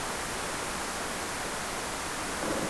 د چاپیریال ساتنه د روغتیا سره څه مرسته کوي؟